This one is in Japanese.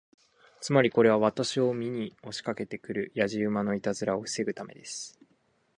つまり、これは私を見に押しかけて来るやじ馬のいたずらを防ぐためです。